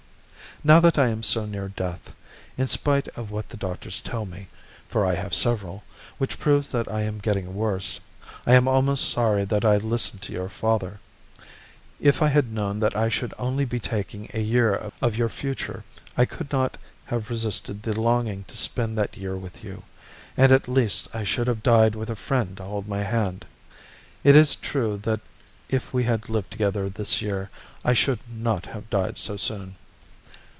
Now that I am so near death, in spite of what the doctors tell me, for I have several, which proves that I am getting worse, I am almost sorry that I listened to your father; if I had known that I should only be taking a year of your future, I could not have resisted the longing to spend that year with you, and, at least, I should have died with a friend to hold my hand. It is true that if we had lived together this year, I should not have died so soon.